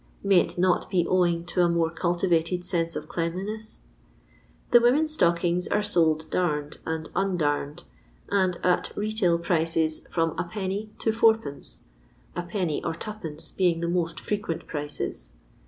May it not be owing to a more cultivated sense of cleanliness 1 The women's stockings are sold darned and undamed, and at (retail) prices from lei. to id, ) \d. or 2d. being the most frequent prices.